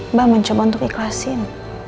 mbak mencoba untuk ikhlasin